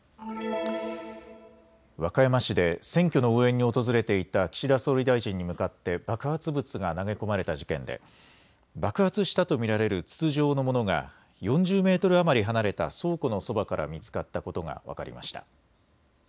和歌山市で選挙の応援に訪れていた岸田総理大臣に向かって爆発物が投げ込まれた事件で爆発したと見られる筒状のものが４０メートル余り離れた倉庫のそばから見つかったことが分かりました。